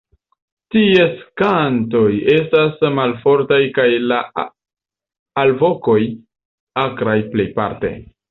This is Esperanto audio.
Ties kantoj estas malfortaj kaj la alvokoj akraj plejparte.